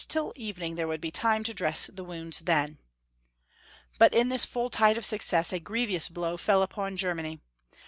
till evening there would be time to dress wounds then. But in this full tide of success a grievous blow fell upon Germany.